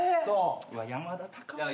うわっ山田隆夫か。